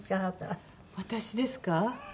私ですか？